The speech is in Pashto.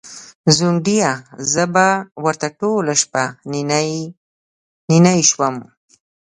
ځونډیه! زه به ورته ټوله شپه نینې نینې شوم